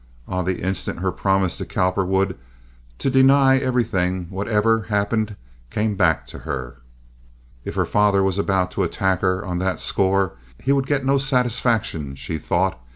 On the instant her promise to Cowperwood to deny everything, whatever happened, came back to her. If her father was about to attack her on that score, he would get no satisfaction, she thought.